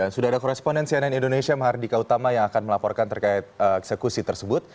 sudah ada koresponden cnn indonesia mahardika utama yang akan melaporkan terkait eksekusi tersebut